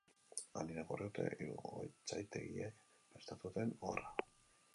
Han irakurri dute hiru gotzaitegiek prestatu duten oharra.